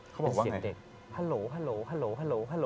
เขาบอกว่าไง